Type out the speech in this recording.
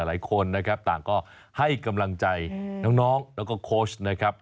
หลายคนนะครับต่างก็ให้กำลังใจน้องแล้วก็โค้ชนะครับ